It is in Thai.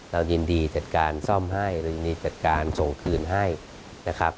เรายินดีจัดการซ่อมให้เรายินดีจัดการส่งคืนให้นะครับ